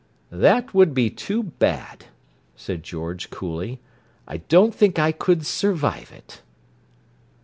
"That would be too bad," said George coolly. "I don't think I could survive it."